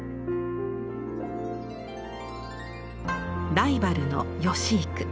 ライバルの芳幾。